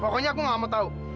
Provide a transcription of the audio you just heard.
pokoknya aku gak mau tahu